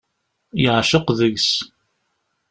Yeεceq deg-s.